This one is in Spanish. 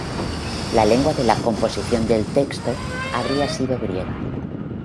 La lengua de la composición del texto habría sido griega.